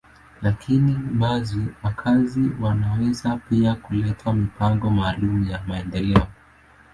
Lakini basi, wakazi wanaweza pia kuleta mipango maalum ya maendeleo.